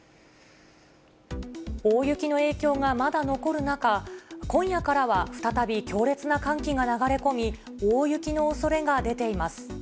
大雪の影響がまだ残る中、今夜からは再び強烈な寒気が流れ込み、大雪のおそれが出ています。